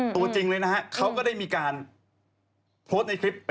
ที่บ้านของย่าน้องแอ๋มเคยมาอยู่กับน้า